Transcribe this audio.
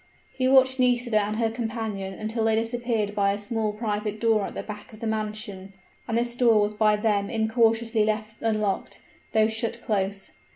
He watched Nisida and her companion until they disappeared by a small private door at the back of the mansion; and this door was by them incautiously left unlocked, though shut close.